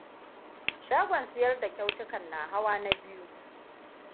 Shagon siyar da kyautukan na hawa na biyu.